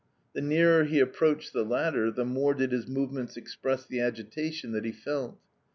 The nearer he approached the latter, the more, did his movements express the agitation that he felt.